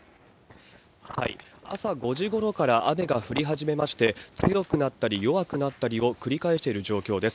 朝５時ごろから雨が降り初めまして、強くなったり弱くなったりを繰り返している状況です。